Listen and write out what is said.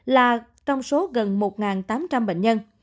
là trong số gần một tám trăm linh bệnh nhân